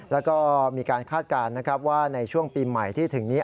แล้วก็มีการคาดการณ์นะครับว่าในช่วงปีใหม่ที่ถึงนี้